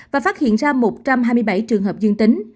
và phát hiện ra một trăm hai mươi bảy trường hợp dương tính